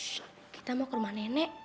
so kita mau ke rumah nenek